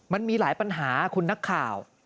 มันมีหลายปัญหาคุณนักข่าว